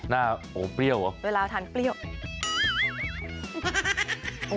หน้าเปรี้ยวเหรอเวลาทานเปรี้ยวโอ้โฮ